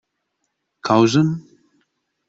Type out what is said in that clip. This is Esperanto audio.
Kaŭzon?